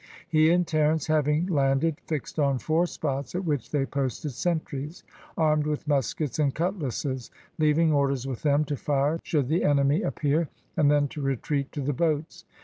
He and Terence having landed, fixed on four spots at which they posted sentries, armed with muskets and cutlasses, leaving orders with them to fire should the enemy appear, and then to retreat to the boats.